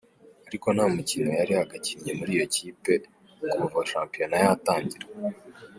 Ariko nta mukino yari yagakinnye muri iyo kipe kuva shampiyona yatangira.